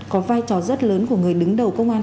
có vai trò rất lớn của người đứng đầu công an